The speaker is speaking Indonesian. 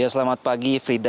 ya selamat pagi frida